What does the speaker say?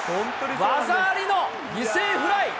技ありの犠牲フライ。